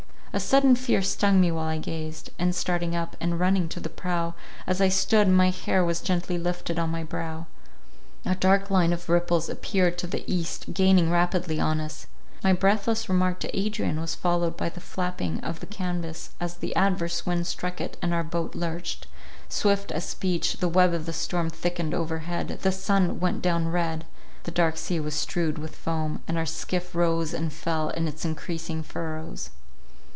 A sudden fear stung me while I gazed; and, starting up, and running to the prow,—as I stood, my hair was gently lifted on my brow—a dark line of ripples appeared to the east, gaining rapidly on us—my breathless remark to Adrian, was followed by the flapping of the canvas, as the adverse wind struck it, and our boat lurched—swift as speech, the web of the storm thickened over head, the sun went down red, the dark sea was strewed with foam, and our skiff rose and fell in its encreasing furrows.